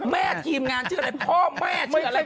แม่ทีมงานชื่ออะไรพ่อแม่ชื่ออะไร